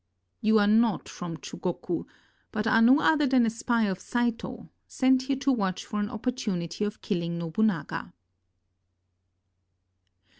You are not from Chugoku, but are no other than a spy of Saito, sent here to watch for an opportu nity of killing Nobunaga."